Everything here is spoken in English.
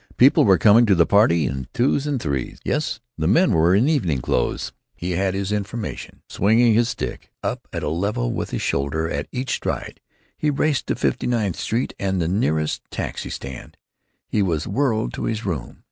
People were coming to the party in twos and threes. Yes. The men were in evening clothes. He had his information. Swinging his stick up to a level with his shoulder at each stride, he raced to Fifty ninth Street and the nearest taxi stand. He was whirled to his room.